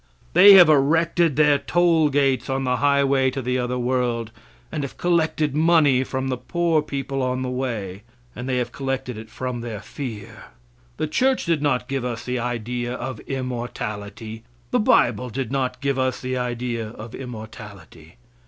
They have erected their toll gates on the highway to the other world, and have collected money from the poor people on the way, and they have collected it from their fear. The church did not give us the idea of immortality; the bible did not give us the idea of immortality.